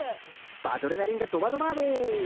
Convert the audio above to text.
バドレナリンがどばどバード！